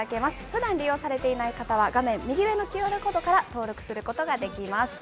ふだん利用されていない方は、画面右上のＱＲコードから登録することができます。